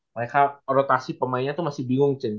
mereka rotasi pemainnya itu masih bingung